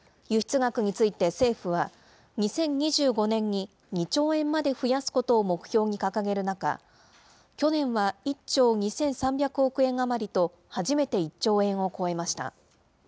輸出額について政府は、２０２５年に２兆円まで増やすことを目標に掲げる中、去年は、１兆２３００億円余りと初めて１兆円を超えました。